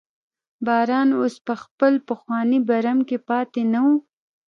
باران اوس په خپل پخواني برم کې پاتې نه و.